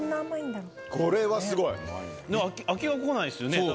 これはすごい。飽きが来ないですよね。